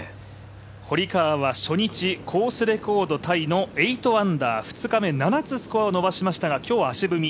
堀川は初日コースレコードタイの８アンダー２日目、７つスコアを伸ばしましたが今日は足踏み。